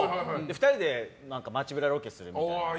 ２人で街ブラロケするみたいな。